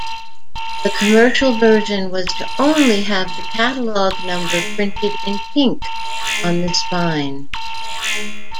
The commercial version was to only have the catalog number-printed in pink-on the spine.